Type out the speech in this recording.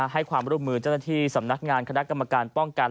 ให้ความร่วมมือเจ้าหน้าที่สำนักงานคณะกรรมการป้องกัน